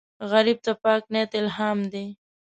غریب ته پاک نیت الهام دی